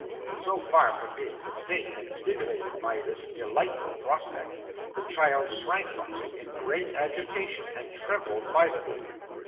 So far from being sustained and stimulated by this delightful prospect, the child shrank from him in great agitation, and trembled violently.